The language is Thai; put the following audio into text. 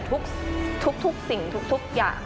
ทุกสิ่งทุกอย่าง